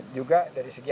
juga dari segi